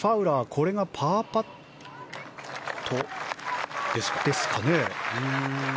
これがパーパットですかね。